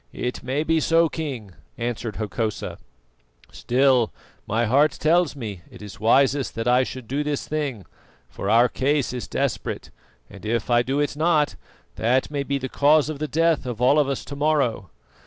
"It may be so, King," answered Hokosa; "still, my heart tells me it is wisest that I should do this thing, for our case is desperate, and if I do it not, that may be the cause of the death of all of us to morrow.